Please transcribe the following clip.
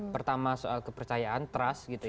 pertama soal kepercayaan trust gitu ya